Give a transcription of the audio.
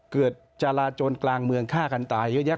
จราจนกลางเมืองฆ่ากันตายเยอะแยะ